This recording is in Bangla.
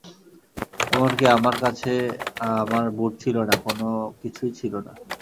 এমনকি আমার কাছে আমার বুট ছিল না, কোনো কিছুই ছিল না।